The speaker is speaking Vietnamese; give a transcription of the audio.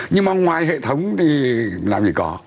nhưng mà ngoài hệ thống thì làm gì có